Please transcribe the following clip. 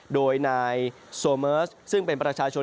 โดยนายโซเมิร์สซึ่งเป็นประชาชน